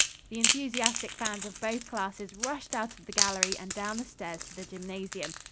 The enthusiastic fans of both classes rushed out of the gallery and down the stairs to the gymnasium.